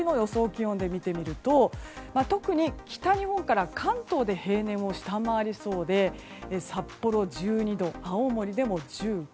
気温で見てみると特に北日本から関東で平年を下回りそうで札幌、１２度青森でも１５度。